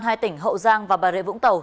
hai tỉnh hậu giang và bà rệ vũng tàu